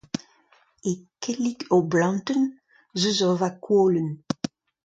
E kellig ur blantenn ez eus ur vakuolenn.